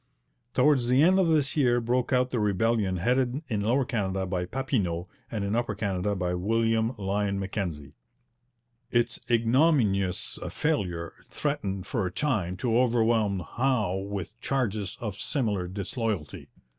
Towards the end of this year broke out the rebellion headed in Lower Canada by Papineau and in Upper Canada by William Lyon Mackenzie. Its ignominious failure threatened for a time to overwhelm Howe with charges of similar disloyalty.